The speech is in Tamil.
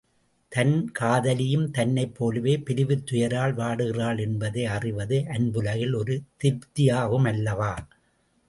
தன் காதலியும் தன்னைப் போலவே பிரிவுத் துயரால் வாடுகிறாள் என்பதை அறிவது, அன்புலகில் ஒரு திருப்தியாகுமல்லவா?